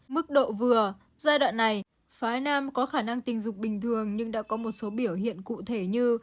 mức độ vừa giai đoạn này phái nam có khả năng tình dục bình thường nhưng đã có một số biểu hiện cụ thể như